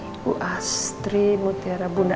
ibu astri mutiara bunda